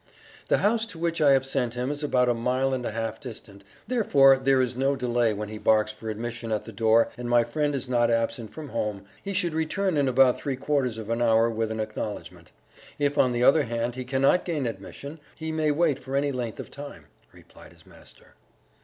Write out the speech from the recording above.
"The house to which I have sent him is about a mile and a half distant, therefore if there is no delay when he barks for admission at the door, and my friend is not absent from home, he should return in about three quarters of an hour with an acknowledgment. If, on the other hand, he cannot gain admission, he may wait for any length of time," replied his master.